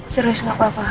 serius gak apa apa